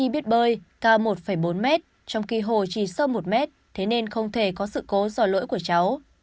bơi cao một bốn m trong khi hồ chỉ sâu một m thế nên không thể có sự cố dò lỗi của cháu